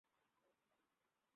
ভুলে যাও, হে প্রভু!